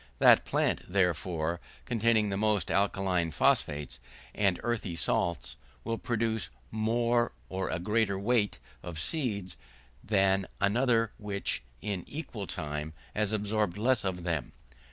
That plant, therefore, containing the most alkaline phosphates and earthy salts will produce more or a greater weight of seeds than another which, in an equal time has absorbed less of them.